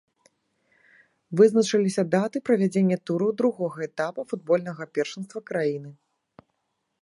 Вызначыліся даты правядзення тураў другога этапа футбольнага першынства краіны.